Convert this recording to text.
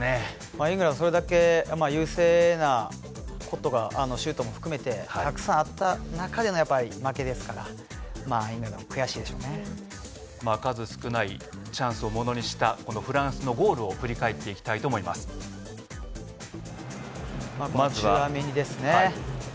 イングランドそれだけ優勢なことが、シュートも含めてたくさんあった中での負けですからイングランド数少ないチャンスをものにしたこのフランスのゴールをまずはチュアメニですね。